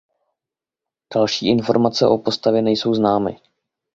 Další informace o postavě nejsou známy.